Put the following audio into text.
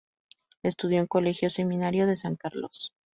Estudió en Colegio Seminario de San Carlos.